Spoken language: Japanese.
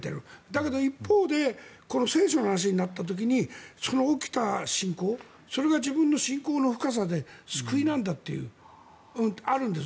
だけど一方でこの聖書の話になった時にそれが起きた信仰それが自分の信仰の深さで救いなんだというのがあるんです。